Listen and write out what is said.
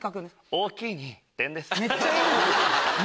大きいに点です。